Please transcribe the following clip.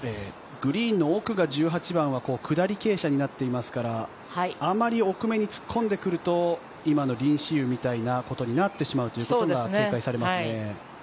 グリーンの奥が１８番は下り傾斜になっていますからあまり奥めに突っ込んでくると今のリン・シユみたいなことになってしまうということが警戒されますね。